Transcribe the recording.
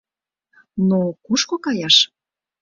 Но кушко каяш?